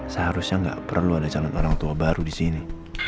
seharusnya gak perlu ada calon orang tua baru disini